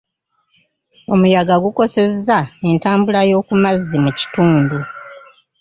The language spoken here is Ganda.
Omuyaga gukosezza entambula y'oku mazzi mu kitundu.